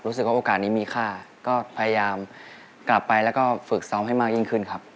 โอกาสนี้มีค่าก็พยายามกลับไปแล้วก็ฝึกซ้อมให้มากยิ่งขึ้นครับ